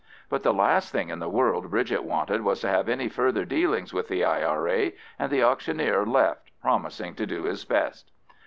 But the last thing in the world Bridget wanted was to have any further dealings with the I.R.A., and the auctioneer left promising to do his best.